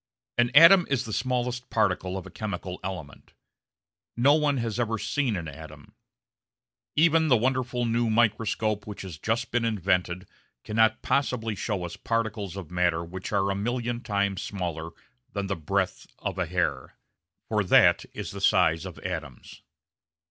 An atom is the smallest particle of a chemical element. No one has ever seen an atom. Even the wonderful new microscope which has just been invented cannot possibly show us particles of matter which are a million times smaller than the breadth of a hair; for that is the size of atoms.